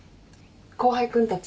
後輩君たち。